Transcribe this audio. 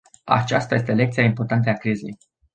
Aceasta este lecția importantă a crizei.